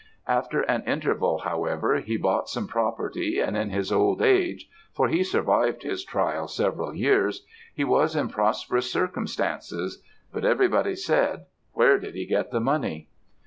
"After an interval, however, he bought some property; and in his old age for he survived his trial several years he was in prosperous circumstances. But everybody said, 'Where did he get the money?'